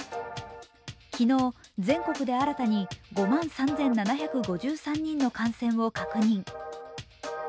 昨日、全国で新たに５万３７５３人の感染を確認。